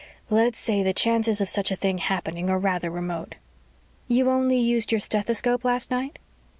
"Let's say the chances of such a thing happening are rather remote." "You only used your stethoscope last night?"